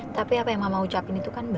tapi apa yang mama ucapin itu kan